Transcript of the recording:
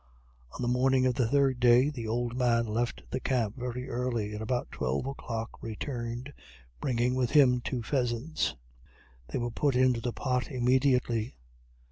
On the morning of the third day the old man left the camp very early, and about twelve o'clock returned, bringing with him two pheasants; they were put into the pot immediately.